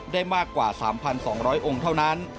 ได้มากกว่า๓๒๐๐องค์เท่านั้น